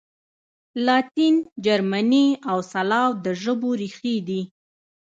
لاتین، جرمني او سلاو د ژبو ریښې دي.